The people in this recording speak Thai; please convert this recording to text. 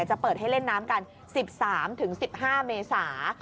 จะเปิดให้เล่นน้ำกัน๑๓๑๕เมษา